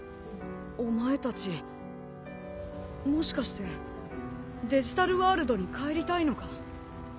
お前たちもしかしてデジタルワールドに帰りたいのか？